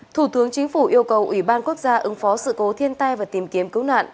thủ tướng chính phủ yêu cầu ủy ban quốc gia ứng phó sự cố thiên tai và tìm kiếm cứu nạn